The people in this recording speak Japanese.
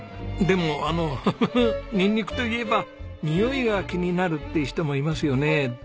でもあのニンニクといえばにおいが気になるって人もいますよね。